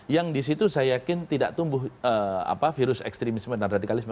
yang disitu saya yakin tidak tumbuh virus ekstremisme dan radikalisme